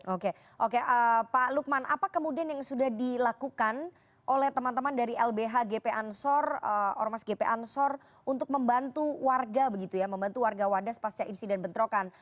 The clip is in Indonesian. oke oke pak lukman apa kemudian yang sudah dilakukan oleh teman teman dari lbh gp ansor ormas gp ansor untuk membantu warga begitu ya membantu warga wadas pasca insiden bentrokan